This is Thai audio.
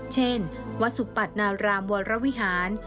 เช่นวัดสุปัตนารามวรวิหาร